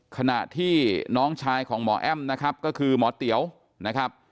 ขณะที่น้องชายของหมอแอ้มนะครับก็คือหมอเตี๋ยวนะครับ